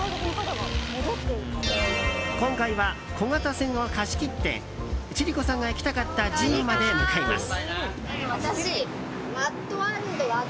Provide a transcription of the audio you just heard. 今回は、小型船を貸し切って千里子さんが行きたかった寺院まで向かいます。